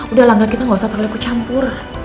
udah langgan kita gak usah terlalu ikut campur